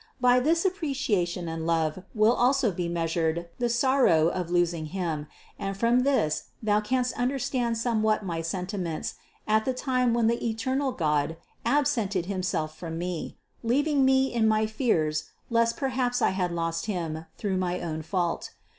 By this appreciation and love will also be measured the sorrow of losing Him and from this thou canst under stand somewhat my sentiments, at the time when the eternal God absented Himself from me, leaving me in my fears lest perhaps I had lost Him through my own fault.